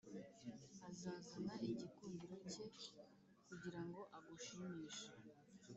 azazana igikundiro cye kugirango agushimishe,